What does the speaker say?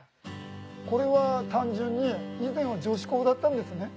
これは単純に以前は女子校だったんですね。